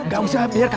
gak usah biarkan